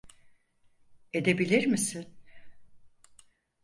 Edebilir misin?